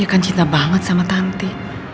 dia kan cinta banget sama tante